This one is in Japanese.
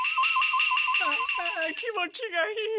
ああ気持ちがいい。